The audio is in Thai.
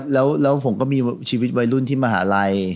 แล้วผมก็มีชีวิตวัยรุ่นที่มหาลัย